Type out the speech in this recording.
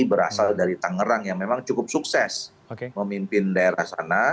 berasal dari tangerang yang memang cukup sukses memimpin daerah sana